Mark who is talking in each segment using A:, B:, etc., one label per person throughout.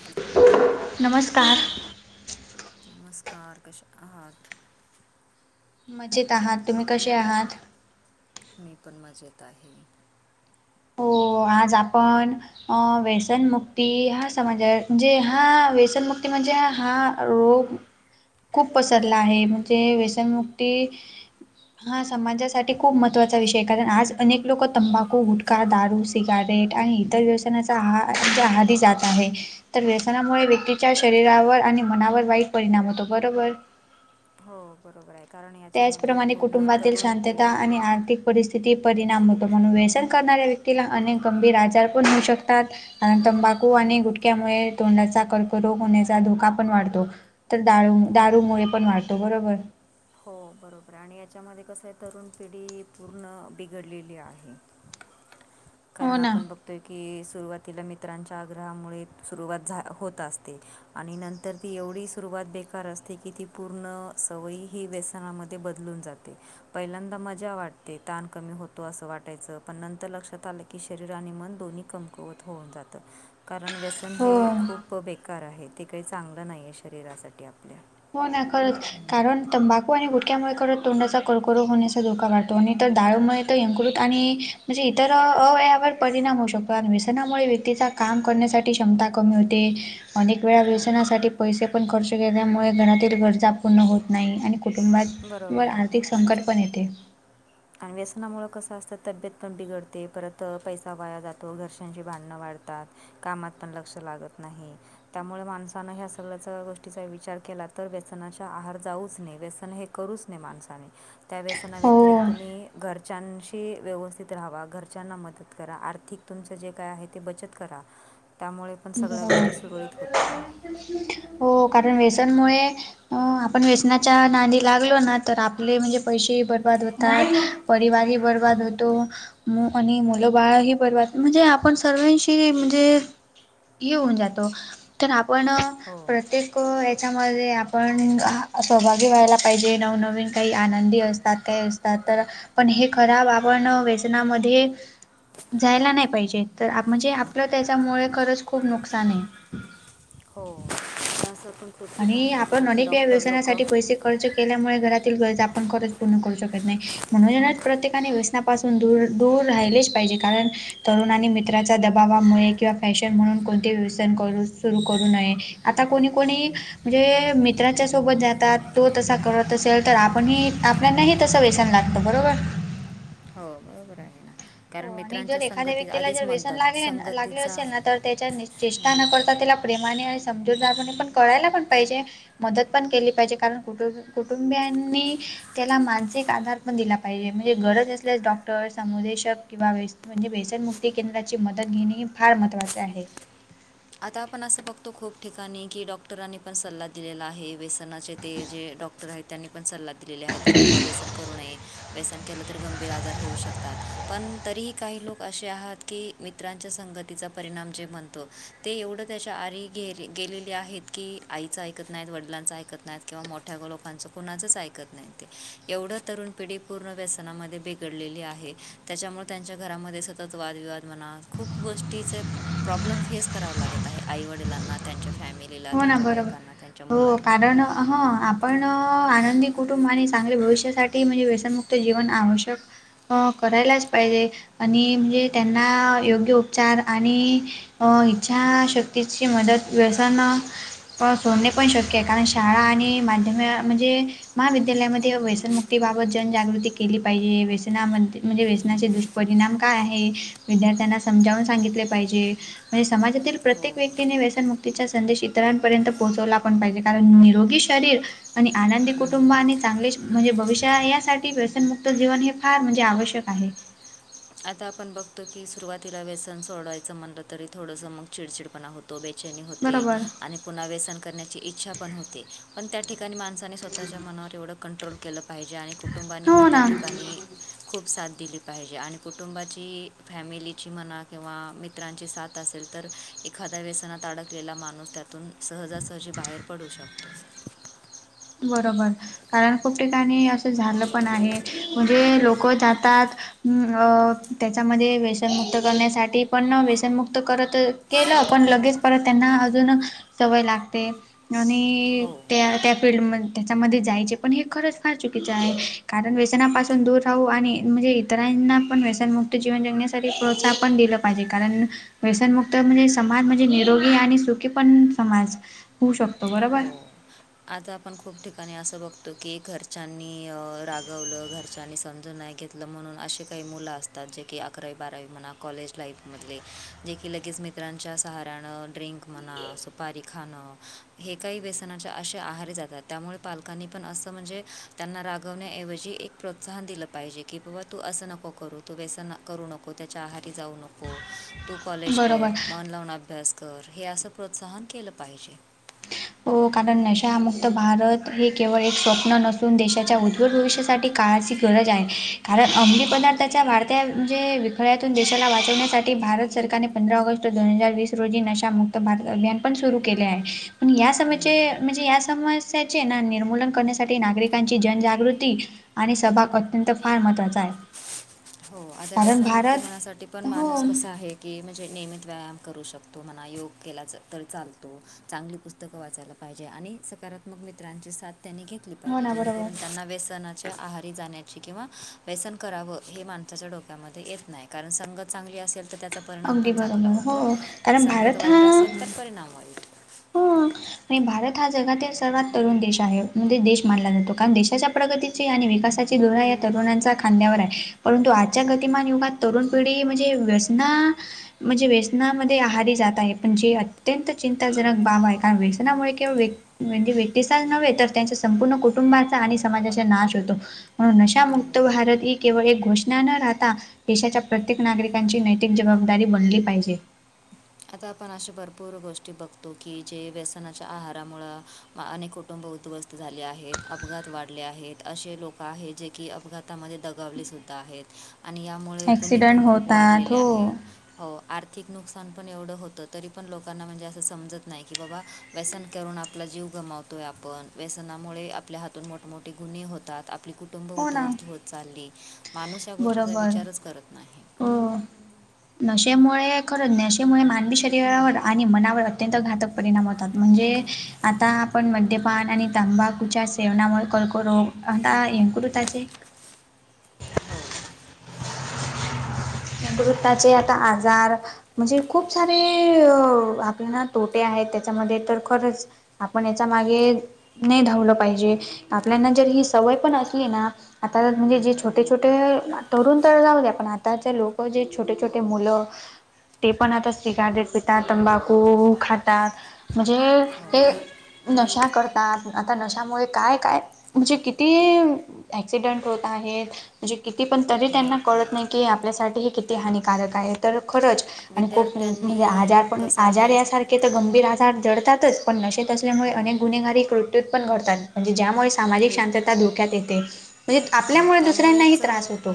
A: हल.
B: नमस्कार.
A: नमस्कार कशे अहात.
B: मजेत आहात तुम्ही कसे आहात.
A: मी पण मजेत आहे.
B: हो आज आपण अ व्यसनमुक्ती हा समाज म्हणजे हा व्यसनमुक्ती म्हणजे हा रोग खूप पसरला आहे म्हणजे व्यसनमुक्ती हा समाजासाठी खूप महत्त्वाचा विषय आहे कारण आज अनेक लोकं तंबाखू गुठ का दारू सिगारेट आणि इतर व्यवसायानाचा आह जे आहदी जात आहे. तर व्यसनामुळे व्यक्तीच्या शरीरावर आणि मनावर वाईट परिणाम होतो बरोबर.
A: हो बरोबर आहे. कारण याच्यामध्ये
B: त्याचप्रमाणे
A: पूर्ण
B: कुटुंबातील
A: तरुण
B: शांतता
A: पिढी
B: आणि आर्थिक परिस्थिती परिणाम होतो म्हणून व्यसन करणाऱ्या व्यक्तीला अनेक गंभीर आजार पण होऊ शकतात. कारण तंबाखू आणि गुटक्यामुळे तोंडाचा कर्करोग होण्याचा धोका पण वाढतो. तर दारू दारूमुळे पण वाटो बरोबर.
A: हो बरोबर आणि याच्यामध्ये कसं आहे तरुण पिढी पूर्ण बिघडलेली आहे.
B: हो
A: कारण
B: ना
A: आपण बघ की सुरुवातीला मित्रांच्या आग्रहामुळे सुरुवात होत असते. आणि नंतर ती एवढी सुरुवात बेकार असते की ती पूर्ण सवयी ही व्यसनामध्ये बदलून जाते. पहिल्यांदा मजा वाटते ताण कमी होतो असं वाटायचं पण नंतर लक्षात आलं की शरीर आणि मन दोन्ही कमकुवत होऊन जातं कारण व्यसन हे
B: हो
A: खूप प बेकार आहे ते काही चांगलं नाही आहे शरीरासाठी आपल्या.
B: हो ना करत कारण तंबाकू आणि गुटक्यामुळे करत तोंडाचा कर्करोग होण्याचा धोका वाढतो. तो आणि तर दाळूमुळे तर यंकृत आणि म्हणजे इतर अवयावर परिणाम होऊ शकतो आणि व्यसनामुळे व्यक्तीचा काम करण्यासाठी क्षमता कमी होते. अनेक वेळा
A: हो
B: व्यवसानासाठी पैसे पण खर्च केल्यामुळे घरातील गरजा पूर्ण होत नाही आणि कुटुंबात व
A: बरोबर आहे
B: आर्थिक संकट पण येते.
A: आणि व्यसनामुळे कसं असतं तब्येत पण बिघडते परत पैसा वाया जातो घर्षांशी भांडणं वाढतात. कामात पण लक्ष लागत नाही. त्यामुळे माणसान ह्या सगळ्या गोष्टीचा विचार केला तर व्यसनाच्या आहार जाऊच नाही व्यसन हे करूच नये माणसाने त्या
B: हो
A: व्यसनावितिरिक्त मी घरच्यांशी व्यवस्थित राहावा घरच्यांना मदत करा आर्थिक तुमचं जे काय आहे ते बचत करा. त्यामुळे पण सगळ्या
B: बरोबर
A: गोष्टी सुरळीत होतील.
B: हो कारण व्यसनमुळे. अ आपण वेसनाच्या नादी लागलो ना तर आपले म्हणजे पैसे बर्बाद होतात. परिवारही बर्बाद होतो. म आणि मुलं बाळ ही बर्बाद म्हणजे आपण सर्वांशी म्हणजे ह होऊन जातो तर आपण
A: हो
B: प्रत्येक ह्याच्यामध्ये आपण सहभागी व्हायला पाहिजे नवनवीन काही आनंदी असतात काही अस तात तर पण हे खराब आपण वेसनामधे जायला नाही पाहिजे तर म्हणजे आपलं त्याच्यामुळे खरंच खूप नुकसान आहे.
A: हो त्यास पण खूप ठिकाणी
B: आणि
A: बघतो
B: आपण
A: की
B: अनेक व
A: डॉक्टर लोक
B: व्यवसायानासाठी पैसे. खर्च केल्यामुळे घरातील गरज आपण खच पूर्ण करू शकत नाही म्हणून प्रत्येका व्यस्थापन. पासून दूर दूर राहिलेच पाहिजे कारण. तरुणानी मित्राच्या दबावामुळे किंवा फॅशन म्हणून कोणते वेसन करू सुरू करू नये. आता कोणी कोणी. म्हणजे मित्रांच्या सोबत जातात तो तसा करत असेल तर आपण ही. दुसऱ्यांनाही तसं वेसन लागतं बरोबर.
A: हो बरोबर आहे ना.
B: हो
A: कारण
B: आणि जर
A: मित्रांच्या
B: एखाद्या
A: संगतीत
B: व्यक्तीला
A: आधीच
B: जर वेसन लाग
A: म्हणतात
B: लागले
A: संगतीचा
B: असेल ना तर त्याच्याचेष्टा न करता. आ त्याला प्रेमाने आणि समजूतदारपणे पण कळायला पण पाहिजे. मदत पण केली पाहिजे कारण कुटुंबियांनी. त्याला मानसिक आधार पण दिला पाहिजे म्हणजे गरज असल्यास डॉक्टर समुदेशक. किंवा वेसन म्हणजे व्यसनमुक्ती केंद्राची मदत घेणे हे फार महत्त्वाचे आहे.
A: आता आपण असं बघतो खूप ठिकाणी की डॉक्टरांनी पण सल्ला दिलेला आहे. त्यांना ते जे डॉक्टर आहेत त्यांनी पण सल्ला दिलेले आहेत की बाबा व्यसन. करू नये व्यसन केलं तरी गंभीर आजार होऊ शकतात. पण तरीही काही लोक असे आहात. की मित्रांच्या संगतीचा परिणाम जे म्हणतो. ते एवढं त्याच्या आहारी गेलेले आहेत. की आईच ऐकत नाहीत. वडिलांच ऐकत नाहीत. किंवा मोठ्या लोकांच कुणाच ऐकत नाही ते. एवढं तरुण पिढी पूर्ण व्यसनामध्ये बे बीघडलेली आहे त्याच्यामुळे त्यांच्या घरामध्ये सतत वादविवाद म्हणा खूप गोष्टीचे प्रॉब्लेम फेस करावा लागत आहे. आई वडिलांना त्यांच्या फॅमिली ला त्यांच्या बायकांना त्यांच्या मुलांना.
B: ह आपण आनंदी कुटुंब आणि चांगले भविष्यासाठी म्हणजे व्यसनमुक्त जीवन आवश्यक. हो करायलाच पाहिजे आणि म्हणजे त्यांना योग्य उपचार आणि. इच्छाशक्तीची मदत व्यसन. पण सोडणे पण शक्य आहे. कारण शाळा आणि माध्यमी म्हणजे. महाविद्यालयामध्ये व्यसनमुक्तीबाबत जनजागृती केली पाहिजे व्यसनामध्ये म्हणजे व्यसनाचे दुष्ट परिणाम काय आहे विद्यार्थ्यांना समजावून सांगितले पाहिजे. म्हणजे समाजातील
A: हो
B: प्रत्येक व्यक्तीने व्यसन मुक्तीचा संदेशीत इतरांपर्यंत पोहोचवला पण पाहिजे कारण निरोगी शरीर आणि आनंदी कुटुंब आणि चांगले म्हणजे भविष्या यासाठी व्यसनमुक्त जीवन हे फार म्हणजे आवश्यक आहे.
A: आता आपण बघतो की सुरुवातीला व्यसन सोडवायचं म्हटलं तरी थोडंसं मग चिडचिड पणा होतो. तो बेचानी होते
B: बरोबर
A: आणि पुन्हा व्यसन करण्याची इच्छा पण होते. पण त्या ठिकाणी माणसानी स्वतःच्या मनावर एवढं कंट्रोल केलं पाहिजे आणि कुटुंबाांनी पण
B: हो
A: त्या
B: ना
A: ठिकाणी. खूप साथ दिली पाहिजे आणि कुटुंबाची फॅमिलीची म्हणा किंवा मित्रांची साथ असेल तर ए एखाद्या व्यसनात अडकलेला माणूस त्यातून सहजासहजी बाहेर पडू शकतो.
B: बरोबर कारण खूप ठिकाणी असं झालं पण आहे म्हणजे लोक जातात. अ अ त्याच्यामध्ये व्यसनमुक्त करण्यासाठी पण व्यसनमुक्त करत. केलं पण लगेच परत त्यांना अजून सवय लागते. आणि
A: हो
B: त्या त्या फिल्ड मध्ये त्याच्यामध्ये जायचे पण हे खरंच फार चुकीचं आहे कारण व्यसनापासून दूर राहू आणि म्हणजे. इतरांना पण व्यसनमुक्त जीवन जगण्यासाठी प्रोत्साहन पण दिलं पाहिजे कारण. व्यसनमुक्त म्हणजे समाज म्हणजे निरोगी आणि सुखी पण समाज होऊ शकतो. बरोबर
A: हो आता आपण खूप ठिकाणी असं बघतो की घरच्यांनी रागवलं घरच्यांनी समजून नाही घेत. म्हणून असे काही मुलं असतात जे की अकरावी बारावी म्हणा कॉलेज लाईफमधले. जे की लगेच मित्रांच्या सहाऱ्याने ड्रिंक म्हणा सुपारी खाणं हे काही व्यसनाच्या. असे आहारी जातात त्यामुळे पालकांनी पण असं म्हणजे त्यांना रागवण्याऐवजी एक. प्रोत्साहन दिलं पाहिजे की बाबा तू असं नको करू तू बेसं करू नको त्याच्या आहारी जाऊ नको. तू कॉलेज कर
B: बरोबर
A: मन लावून अभ्यास कर हे असं प्रोत्साहन केलं पाहिजे.
B: हो कारण नशामुक्त भारत हे केवळ एक स्वप्न नसून देशाच्या उज्जवल भविष्यासाठी. काळाची गरज आहे कारण अमली
A: हो
B: पदार्थाच्या वाढता. त्या म्हणजे विखळ्यातून देशाला वाचवण्यासाठी भारत सरकारने पंधरा ऑगस्ट दोन हजार वीस रोजी नशामुक्त. भारत अभियान पण सुरू केले आहे. पण या समस्याचे म्हणजे या समस्याचे ना निर्मूलन करण्यासाठी नागरिकांची जनजागृती. आणि सहभाग अत्यंत फार महत्त्वाचा आहे.
A: हो आता
B: कारण
A: व्यसनमुक्ती
B: भारत
A: होण्यासाठी पण
B: हो
A: माणूस कसा आहे. की म्हणजे नियमित व्यायाम करू शकतो म्हणा योग केला तर चालतो चांगली पुस्तक - - पुस्तक वाचायला पाहिजे आणि सकारात्मक मित्रांची साथ त्यांनी घेतली. ली
B: हो
A: पाहिजे,
B: ना बरोबर
A: जेणेकरून त्यांना व्यसनाच्या आहारी, जाण्याची किंवा व्यसन करावं हे, माणसाच्या डोक्यामध्ये येत नाही. कारण संगत, चांगली असेल तर त्याचा परिणाम
B: अगदी
A: पण चांगला
B: बरोबर
A: होतो.
B: हो कारण
A: संगत
B: भारत
A: वाईट असेल, तर परिणाम वाईट
B: ह आणि भारत हा जगातील सर्वात तरुण देश आहे म्हणजे देश मानला जातो कारण देशाच्या प्रगतीत. आणि विकासाची धुरा या तरुणच्या खांद्यावर आहे. परंतु आजच्या गतिमान युगात तरुण पिढी, म्हणजे, व्यसना म्हणजे, व्यसनामध्ये आहारी जात, आहे. पण जे अत्यंत चिंता जक बाबा आहे. कारण व्यनामुळे के व्यक् म्हणजे, व्यक्तीसा नव्हे तर त्यांच्या संपूर्ण कुटुंबाचा, आणि समाजाचा नाश होतो. म्हण नशामुक्त
A: हो
B: भारत इ केवळ एक घोषणा न राहता. देशाच्या प्रत्येक नागरिकांची नैतिक जबाबदारी बनली, पाहिजे.
A: आता आपण अशे भरपूर गोष्टी बघतो, की जे व्यसनाच्या आहारामुळं. अनेक कुटुंब उद्ध्वस्त झाले आहेत. अपघात वाढले आहेत. असे लोक आहेत. जे की अपघात हातामध्ये दगावले सुद्धा आहेत. आणि यामुळे गुन्हे
B: ॲक्सिडंट
A: पण खूप
B: होतात
A: वाढलेले
B: हो
A: आहेत. हो, आर्थिक नुकसान पण एवढं होत, तरी पण लोकांना म्हणजे, असं समजत, नाही की बाबा व्यसन करून आपला जीव गमावतो. आपण व्यसनामुळे आपल्या हातून मोठमठे गुन्हे होतात. आपली - - कुटुंब
B: हो ना
A: उद्ध्वस्त होत चालली. माणूस या गोष्टीचा
B: बरोबर
A: विचारच करत नाही.
B: हो नशेमुळे खरंच, नशेमुळे मानवी शरीरावर आणि मनावर अत्यंत, घातक परिणाम होतात म्हणजे आता आपण मद्यपान, आणि तंबाखूच्या सेवनामुळे कर्करोग, आता ये करुताचे
A: हो.
B: वृत्ताचे आता आजार म्हणजे खूप सारे आपल्या ना तोटे आहेत. त्याच्यामध्ये तर खरंच आपण याचा मागे नाही, धावलं पाहिजे. आपल्याना जर ही सवय पण असली ना आता म्हणजे. जे छोटे, छोटे, तरुण तर जाऊ द पण आताचे लोक जे, छटे, छोटे, मूल ते पण आता सिगारेट पितात. तंबाखू खातात, म्हणजे
A: हो
B: ते नशा करतात. आता नशामुळे काय काय म्हणजे किती ऍक्सिडेंट होत आहेत. म्हणजे किती पण तरी त्यांना कळत
A: भरपूर
B: नाही, की आपल्यासाठी हे किती हानिकारक आहे, तर खरंच आणि, खप म्हणजे,
A: विद्यार्थ्यांनी
B: आजार पण
A: कसं
B: आजार
A: आहे
B: यासारखे गंभीर आजार जडतातच पण नशेत
A: अ,
B: असल्यामुळे अनेक गुन्हेगारी कृत्यूत पण घडतात. म्हणजे ज्यामुळे सामाजिक
A: विद
B: शांतता धोक्यात येते. म्हणजे आपल्यामुळे दुसऱ्यांनाही
A: त्यामुळेच
B: त्रास
A: अ,
B: होतो.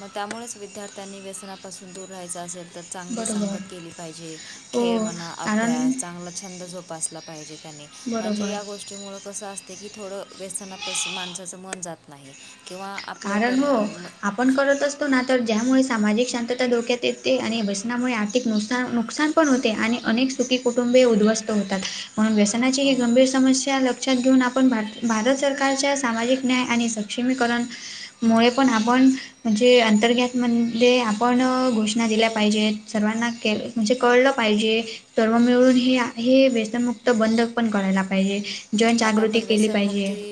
A: मग त्यामुळेच विद्यार्थ्यांनी व्यसनापासून दूर राहायचं, अस तर चांगली
B: बरोबर
A: संगत केली पाहिजे,
B: हो
A: खेळ म्हणा
B: कारण
A: अभ्यास चांगला छंद जोपासला पाहिजे, त्याने
B: बरोबर.
A: त्या जच्यामुळं कसं असते, की थोडं व्यसनापासन माणसाचं मन जात नाही, किंवा आपलं
B: कारण
A: पर
B: हो.
A: अ, म-
B: आप आपण करत, असतो, ना तर ज्यामुळे सामाजिक शांतता, धोक्यात येते, आणि व्यसनामुळे आर्थिक नुकसा नुकसान पण होते, आणि अनेक सुखी कुटुंबीय उद्धवस्त होतात, म्हणून, व्यसनाची ह
A: अ,
B: गंभीर समस्या लक्षात घेऊन आपण भा भारत सरकारच्या सामाजिक न्याय आणि सक्षमीकरण मुळे, पण आपण म्हणजे, अंतर्गातमध्ये आपण घोषणा दिल्या पाहिजेत, सर्वांना के म्हणजे कळलं पाहिजे. सर्व मिळून हे हे व्यसनमुक्त बंध पण कळायला पाहिजे. जनजागृती
A: आताआपण
B: केली पाहिजे
A: व्यसनमुक्ती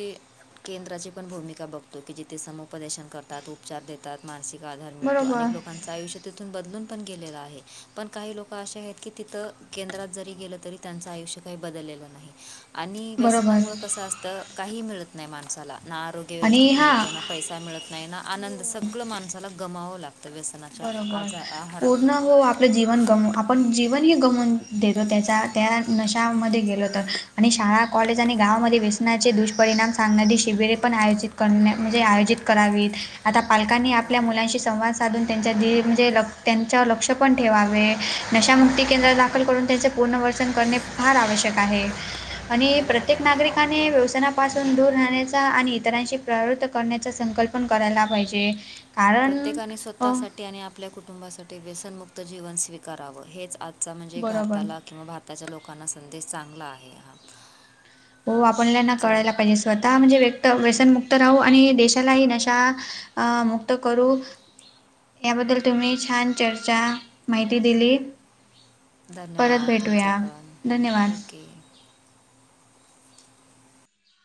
A: केंद्राचीपण भूमिका बघतो की जिथे समुपदेशन करतात. उपचारदेतात. मानसिकआधार मिळतो.
B: बरोबर
A: अनेक लोकांचा आयुष्य तिथून बदलूनपण गेलेलं आहे पणकाही लोक अशे आहेत की तिथ केंद्रात जरी गेलं त त्यांचआयुष्य काही बदललेलं नाही आणि
B: बरोबर
A: असत काहीमिळत नाही माणसाला ना आरोग्य
B: आणि
A: व्यवस्थित
B: हा
A: मिळतं पैसा मिळत नाही ना आनंद सगळं माणसाला गमाववावं लागतं व्यसनाच्या
B: बरोबर.
A: आजा आहारामुळ.
B: पूर्ण हो आपलं जीवन गमू आपण जीवनही गमवून देतो त्याचा त्या नशामध्ये गेलो तर. आणि शाळा, कॉलेज आणि गावामध्ये व्यसनाचे दुष्परिणाम सांगणारी शिबिरे पण आहेत. करण्या म्हणजे आयोजित करावीत, आता पालकांनी
A: हो
B: आपल्या मुलांशी संवाद साधून त्यांच्या ज म्हणजे ल त्यांच्या लक्ष पण ठेवावे, नशामुक्ती केंद्रा दाखल करून, त्यांचे पुर्वसन करणे फार आवश्यक आहे आणि
A: बरोबर
B: प्रत्येक
A: आहे
B: नागरिकांनी व्यसानापासून दूर राहण्याचा आणि इतरांशी प्रवृत्त करण्याचा संकल्पन करायला पाहिजे. कारण
A: प्रत्येकाने
B: अ
A: स्वतःसाठी आणि आपल्या कुटुंबासाठी व्यसनमुक्त जीवन स्वीकारावं हेच म्हणजे
B: बरोबर.
A: भारताला किंवा भारताच्या लोकांना संदेश चांगला आहे हा.
B: हो आपल्यांना
A: चाल
B: कळायला पाहिजे स्वतः म्हणजे व्यक्त व्यसनमुक्त राहू आणि देशालाही नशा अ मुक्त करू. याबद्दल तुम्ही छानचर्चा माहिती दिली. परत
A: धन्यवाद तुमचा
B: भेटूया.
A: पण
B: धन्यवाद.
A: ओके